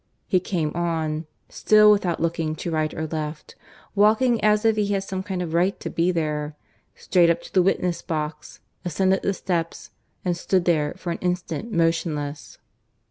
He came on, still without looking to right or left, walking as if he had some kind of right to be there, straight up to the witness box, ascended the steps, and stood there for an instant motionless.